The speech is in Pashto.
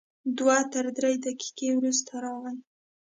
دوه تر درې دقیقې وروسته راغی.